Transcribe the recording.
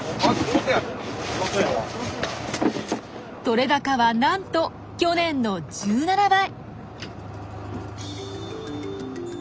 取れ高はなんと去年の１７倍！